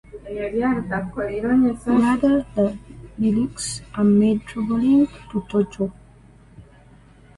Rather, the lyrics are about travelling to Tokyo.